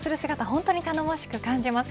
本当に頼もしく感じます。